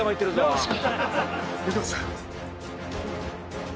よし！